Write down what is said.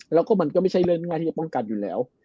แล้วก็มันก็ไม่ใช่เรื่องง่ายที่จะป้องกันอยู่แล้ว